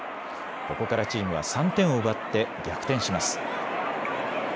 ここからチームは３点を奪って逆転します。